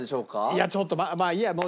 いやちょっとまあいいや。